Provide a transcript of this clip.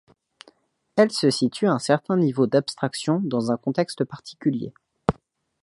Elle se situe à un certain niveau d'abstraction et dans un contexte particulier.